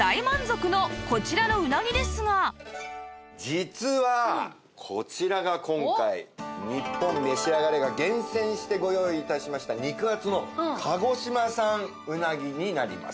実はこちらが今回『ニッポンめしあがれ』が厳選してご用意致しました肉厚の鹿児島産うなぎになります。